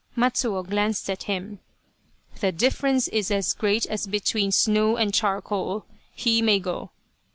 Matsuo glanced at him. " The difference is as great as between snow and charcoal. He may go